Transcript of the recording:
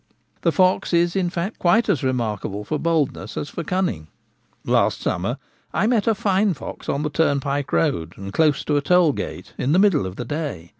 The fox is, in fact, quite as remarkable for boldness as for cunning. Last summer I met a fine fox on the turnpike road and close to a tollgate, in the middle of the day.